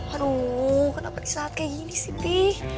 aduh kenapa di saat kayak gini sih pi